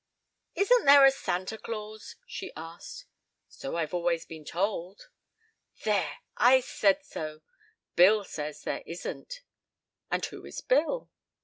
"Isn't there a Santa Claus?" she asked. "So I have always been told." "There, I said so; Bill says there isn't." "And who is Bill?"